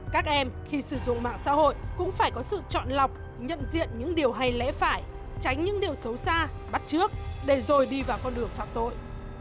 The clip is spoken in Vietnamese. các em khi sử dụng mạng xã hội cũng phải có sự chọn lọc nhận diện những điều hay lẽ phải tránh những điều xấu xa bắt trước để rồi đi vào con đường phạm tội